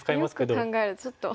よく考えるとちょっと。